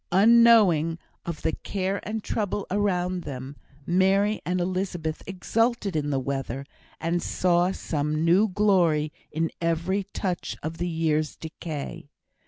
Unknowing of the care and trouble around them, Mary and Elizabeth exulted in the weather, and saw some new glory in every touch of the year's decay.